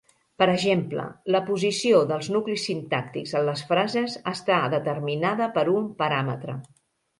Per exemple, la posició dels nuclis sintàctics en les frases està determinada per un paràmetre.